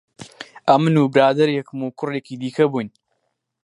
ئەمن و برادەرێکم و کوڕێکی دیکە بووین